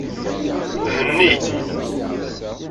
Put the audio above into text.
Henni.